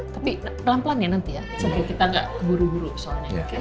tapi pelan pelan ya nanti ya supaya kita gak keburu buru soalnya